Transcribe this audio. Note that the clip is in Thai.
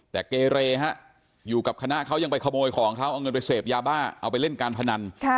แต่เกเรฮะอยู่กับคณะเขายังไปขโมยของเขาเอาเงินไปเสพยาบ้าเอาไปเล่นการพนัน